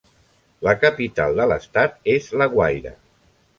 La capital de l'estat és La Guaira.